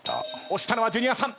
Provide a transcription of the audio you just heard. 押したのはジュニアさん。